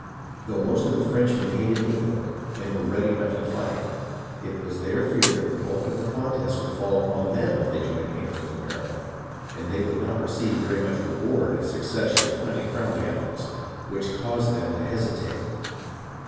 Though most of the Frenchmen hated England and were ready enough to fight, it was their fear that the bulk of the contest would fall upon them if they joined hands with America, and that they would not receive very much of the reward if success should finally crown the efforts, which caused them to hesitate.